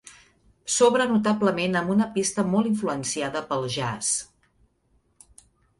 Sobre notablement amb una pista molt influenciada pel jazz.